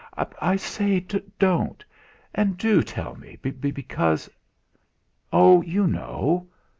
"I say don't! And do tell me, because " "Oh! you know."